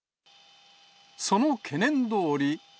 その懸念どおり。